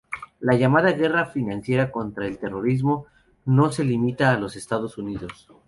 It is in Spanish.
La llamada "guerra financiera contra el terrorismo" no se limita a los Estados Unidos.